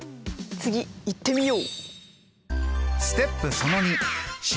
次いってみよう！